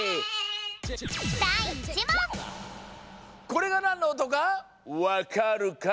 これがなんのおとかわかるかＹＯ！？